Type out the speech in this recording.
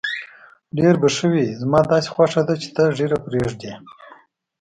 ډېر به ښه وي، زما داسې خوښه ده چې ته ږیره پرېږدې.